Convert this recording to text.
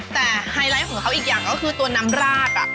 แต่ไฮไลท์ของเขาอีกอย่างก็คือตัวน้ำราด